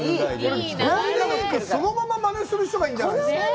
そのまま、マネする人がいるんじゃないですか。